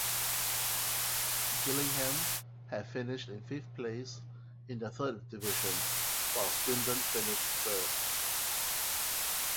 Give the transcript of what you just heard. Gillingham had finished in fifth place in the Third Division while Swindon finished third.